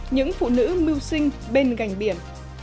những phụ nữ mưu sinh bên gành biển